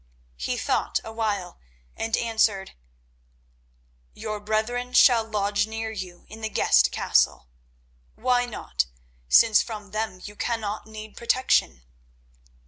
He thought awhile, and answered: "Your brethren shall lodge near you in the guest castle. Why not, since from them you cannot need protection?